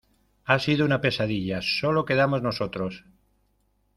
ha sido una pesadilla, solo quedamos nosotros.